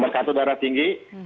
satu darah tinggi